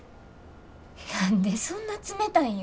何でそんな冷たいんよ。